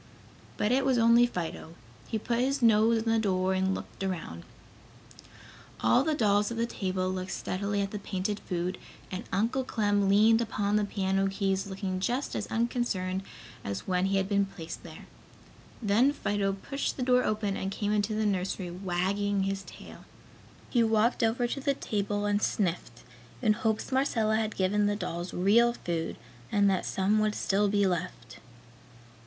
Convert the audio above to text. But it was only Fido. He put his nose in the door and looked around. All the dolls at the table looked steadily at the painted food, and Uncle Clem leaned upon the piano keys looking just as unconcerned as when he had been placed there. Then Fido pushed the door open and came into the nursery wagging his tail. He walked over to the table and sniffed, in hopes Marcella had given the dolls real food and that some would still be left.